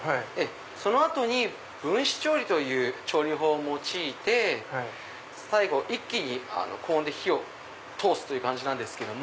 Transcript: その後に分子調理という調理法を用いて最後一気に高温で火を通す感じなんですけど。